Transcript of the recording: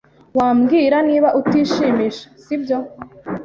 Wambwira niba utishimisha, sibyo?